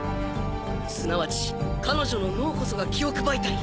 すなわち彼女の脳こそが記憶媒体